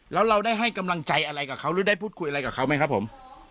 แล้วเราได้ให้กำลังใจอะไรกับเขาหรือได้พูดคุยอะไรกับเขาไหมครับผม